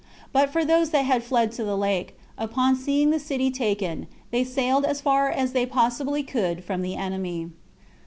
But for those that had fled to the lake, upon seeing the city taken, they sailed as far as they possibly could from the enemy.